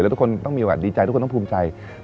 ทุกคนต้องภูมิใจ